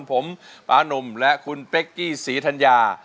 ผมปานุ่มและคุณเป๊กกี้ศรีธัญญา